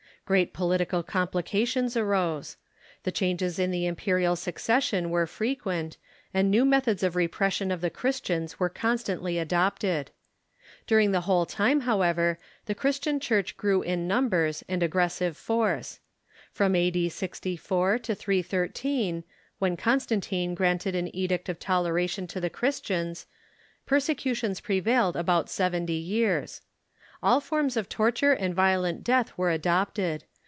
Great political complications arose. The changes in the imperial succession were frequent, and new methods of repression of the Christians were constantly adopted. During the whole time, however, the Christian Church grew in numbers and aggressive force. From A.D. 64 to 313, when Constantino granted an edict of toleration to the Christians, jjersecutions prevailed about sev enty years. All forms of torture and violent death were adopted.